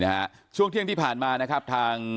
อันนี้มันต้องมีเครื่องชีพในกรณีที่มันเกิดเหตุวิกฤตจริงเนี่ย